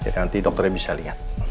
nanti dokternya bisa lihat